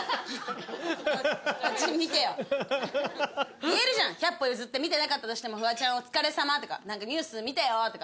言えるじゃん１００歩譲って見てなかったとしてもフワちゃんお疲れさまとかニュース見たよとか。